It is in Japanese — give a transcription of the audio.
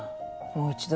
もう１度。